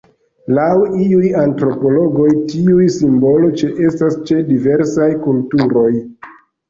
Laŭ iuj antropologoj tiu simbolo ĉeestas ĉe diversaj kulturoj.